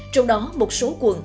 trong đó một số quận